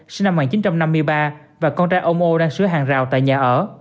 sinh năm một nghìn chín trăm năm mươi ba và con trai ông ô đang sửa hàng rào tại nhà ở